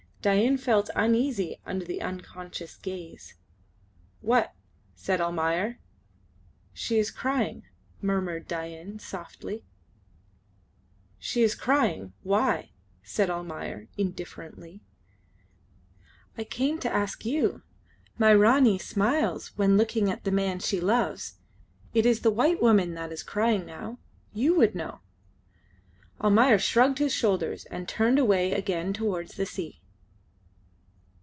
Dain felt uneasy under the unconscious gaze. "What?" said Almayer. "She is crying," murmured Dain, softly. "She is crying! Why?" asked Almayer, indifferently. "I came to ask you. My Ranee smiles when looking at the man she loves. It is the white woman that is crying now. You would know." Almayer shrugged his shoulders and turned away again towards the sea.